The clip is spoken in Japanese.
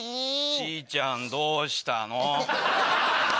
ちぃちゃんどうしたの？